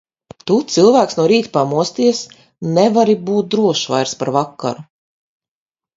Tu, cilvēks, no rīta pamostoties, nevari būt drošs vairs par vakaru.